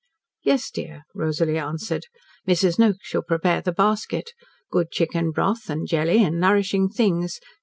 "Yes, dear," Rosalie answered. "Mrs. Noakes shall prepare the basket. Good chicken broth, and jelly, and nourishing things.